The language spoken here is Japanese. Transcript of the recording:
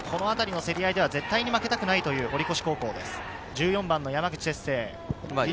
競り合いでは絶対に負けたくないという堀越高校です。